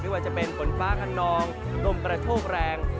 ว่าจะเป็นฝนฟ้าขนองลมกระโชกแรง